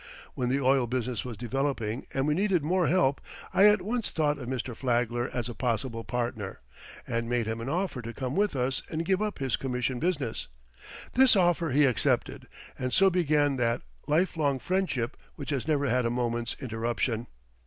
When the oil business was developing and we needed more help, I at once thought of Mr. Flagler as a possible partner, and made him an offer to come with us and give up his commission business. This offer he accepted, and so began that life long friendship which has never had a moment's interruption.